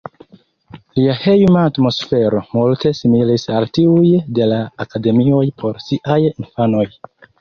Lia hejma atmosfero multe similis al tiuj de la akademioj por siaj infanoj.